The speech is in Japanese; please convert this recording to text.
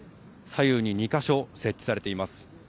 左右に２か所設置されています。